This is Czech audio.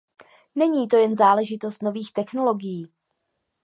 Není to jen záležitost nových technologií.